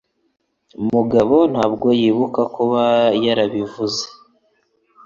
Mugabo ntabwo yibuka kuba yarabivuze.